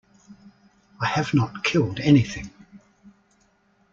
I have not killed anything.